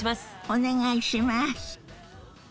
お願いします。